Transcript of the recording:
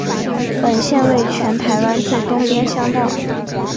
本线为全台湾最东边乡道。